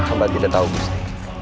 amba tidak tahu gusti